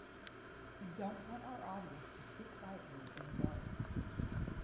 We don’t want our audience to sit quietly in the dark.